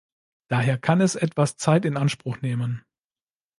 Daher kann es etwas Zeit in Anspruch nehmen.